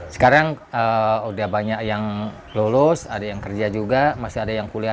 sekarang sudah banyak yang lolos ada yang kerja juga masih ada yang kuliah satu